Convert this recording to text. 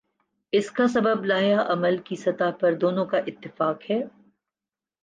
اس کا سبب لائحہ عمل کی سطح پر دونوں کا اتفاق ہے۔